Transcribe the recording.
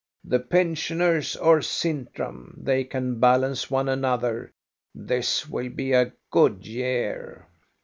" The pensioners or Sintram, they can balance one another. This will be a good year.